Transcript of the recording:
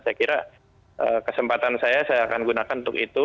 saya kira kesempatan saya saya akan gunakan untuk itu